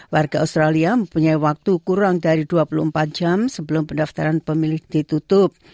warga australia mempunyai waktu kurang dari dua puluh empat jam sebelum pendaftaran pemilih ditutup